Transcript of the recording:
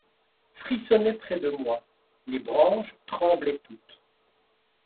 Frissonnait près de moi ; les branches tremblaient toutes